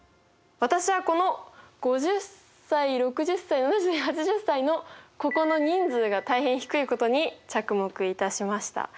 私はこの５０歳６０歳７０８０歳のここの人数が大変低いことに着目いたしました。